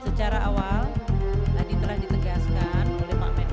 secara awal tadi telah ditegaskan oleh pak menko